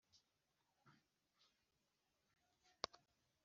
Yesu yabise “umukumbi muto” (Luka :)